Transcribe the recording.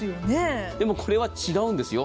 でも、これは違うんですよ。